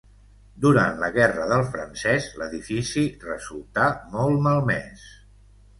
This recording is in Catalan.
Durant la Guerra del Francès l'edifici resultà molt malmès.